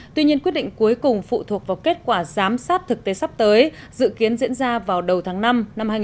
tuy nhiên quyết định cuối cùng phụ thuộc vào kết quả giám sát thực tế sắp tới dự kiến diễn ra vào đầu tháng năm năm hai nghìn hai mươi